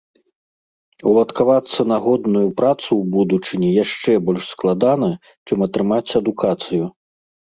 Уладкавацца на годную працу ў будучыні яшчэ больш складана, чым атрымаць адукацыю.